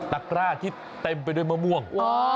กร้าที่เต็มไปด้วยมะม่วง